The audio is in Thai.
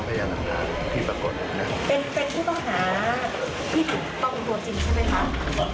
เป็นผู้เจ้าหาที่ต้องเป็นตัวจริงใช่ไหมครับ